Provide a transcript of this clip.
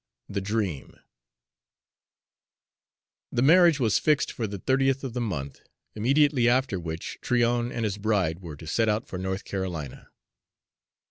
X THE DREAM The marriage was fixed for the thirtieth of the month, immediately after which Tryon and his bride were to set out for North Carolina.